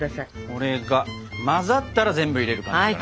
これが混ざったら全部入れる感じかな。